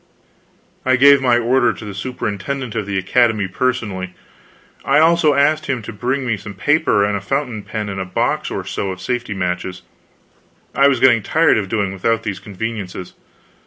I gave my order to the superintendent of the Academy personally. I also asked him to bring me some paper and a fountain pen and a box or so of safety matches. I was getting tired of doing without these conveniences.